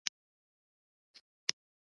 آزاد تجارت مهم دی ځکه چې فابریکې جوړوي.